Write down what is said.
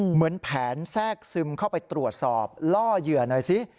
เหมือนแผนแทรกซึมเข้าไปตรวจสอบล่อเหยื่อหน่อยสิ